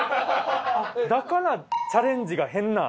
だから「チャレンジ」が変な。